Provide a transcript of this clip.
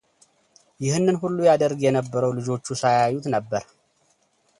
ይህንን ሁሉ ያደርግ የነበረው ልጆቹ ሳያዩት ነበር፡፡